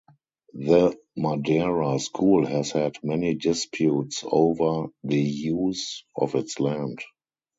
The Madeira school has had many disputes over the use of its land.